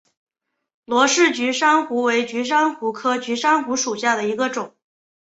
罗氏菊珊瑚为菊珊瑚科菊珊瑚属下的一个种。